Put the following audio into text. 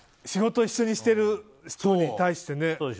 仕事を一緒にしてる人に対してね。